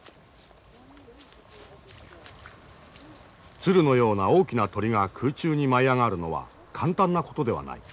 鶴のような大きな鳥が空中に舞い上がるのは簡単なことではない。